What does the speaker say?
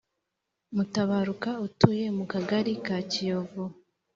Mutabaruka utuye mu Kagari ka Kiyovu